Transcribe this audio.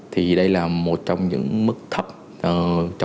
thì đây là một trong những mức thật